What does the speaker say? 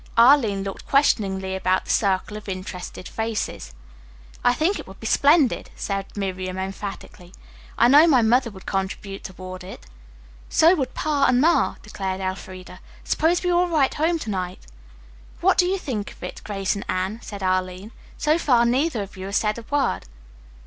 Arline looked questioningly about the circle of interested faces. "I think it would be splendid," said Miriam emphatically. "I know my mother would contribute toward it." "So would Pa and Ma," declared Elfreda. "Suppose we all write home to night." "What do you think of it, Grace and Anne?" asked Arline. "So far neither of you has said a word."